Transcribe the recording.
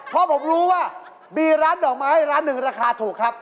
เพราะผมรู้ว่ามีร้านดอกไม้ร้านหนึ่งราคาถูกครับ